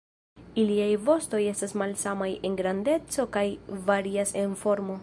Iliaj vostoj estas malsamaj en grandeco kaj varias en formo.